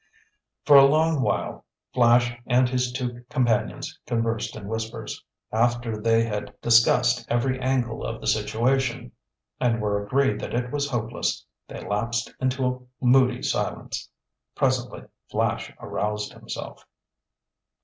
For a long while Flash and his two companions conversed in whispers. After they had discussed every angle of the situation, and were agreed that it was hopeless, they lapsed into moody silence. Presently Flash aroused himself.